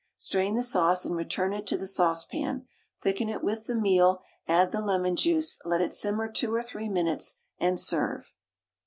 Strain the sauce and return it to the saucepan, thicken it with the meal, add the lemon juice, let it simmer 2 or 3 minutes, and serve.